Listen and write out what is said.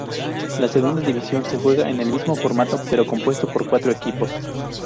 La segunda división se juega en el mismo formato pero compuesto por cuatro equipos.